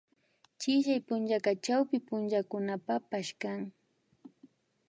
Chillay punllaka chawpi punchakunapapash kan